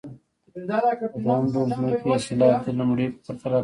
د دویم ډول ځمکې حاصلات د لومړۍ په پرتله کم دي